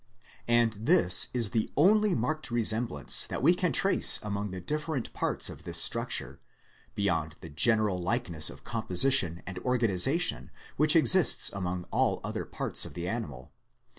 And this is the only marked resemblance that we can trace among the dif ferent parts of this structure, beyond the general likeness of composition and organization which exists among all other parts of the animal.